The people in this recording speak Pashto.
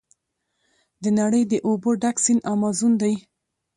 د نړۍ د اوبو ډک سیند امازون دی.